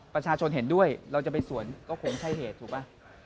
ประชาชนเห็นด้วยเราจะไปสวนก็คงใช่เหตุถูกป่ะ